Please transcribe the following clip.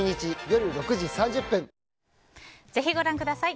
ぜひご覧ください。